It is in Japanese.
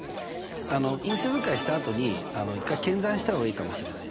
因数分解したあとに一回検算した方がいいかもしれないね。